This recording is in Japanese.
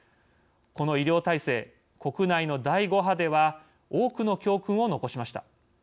この医療体制国内の第５波では多くの教訓を残しました。